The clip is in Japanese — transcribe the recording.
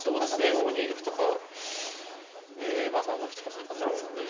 ５二玉とかで３五歩とかそういう感じなんですかね。